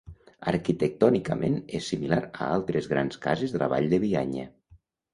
Arquitectònicament és similar a les altres grans cases de la Vall de Bianya.